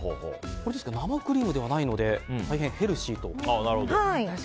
生クリームではないので大変ヘルシーと。